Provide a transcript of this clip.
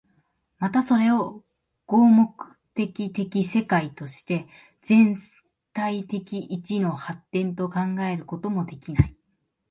またそれを合目的的世界として全体的一の発展と考えることもできない。